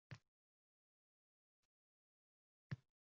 O’gay akam itdek izimdan quvdi